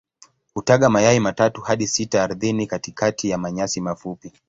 Hutaga mayai matatu hadi sita ardhini katikati ya manyasi mafupi.